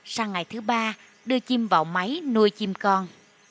sang ngày thứ ba đưa chim vào máy nuôi chim con